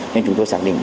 nên chúng tôi xác định